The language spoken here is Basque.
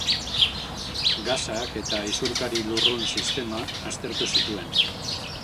Gasak eta isurkari-lurrun sistema aztertu zituen.